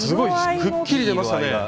くっきりと出ましたね。